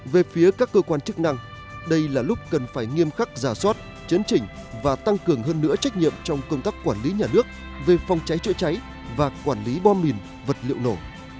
về phía các cơ quan chức năng đây là lúc cần phải nghiêm khắc giả soát chấn chỉnh và tăng cường hơn nữa trách nhiệm trong công tác quản lý nhà nước về phòng cháy chữa cháy và quản lý bom mìn vật liệu nổ